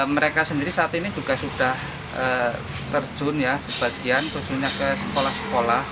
mereka sendiri saat ini juga sudah terjun ya sebagian khususnya ke sekolah sekolah